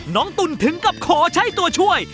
ตุ๋นถึงกับขอใช้ตัวช่วย